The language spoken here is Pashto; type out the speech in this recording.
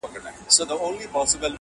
ګوزاره دي په دې لږو پیسو کیږي؟ -